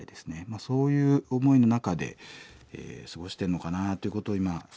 そういう思いの中で過ごしてんのかなあということを今想像しました。